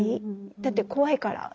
だって怖いから。